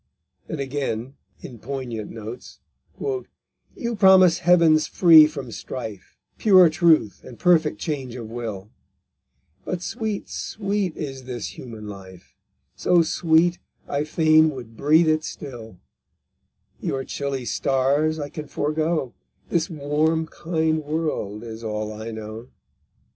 And again, in poignant notes: _You promise heavens free from strife, Pure truth, and perfect change of will; But sweet, sweet is this human life, So sweet, I fain would breathe it still; Your chilly stars I can forego, This warm, kind world is all I know_.